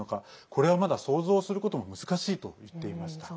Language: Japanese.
これはまだ想像することも難しいと言っていました。